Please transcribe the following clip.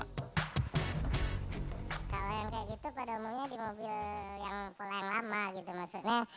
kalau yang kayak gitu pada umumnya di mobil yang pelayan lama gitu maksudnya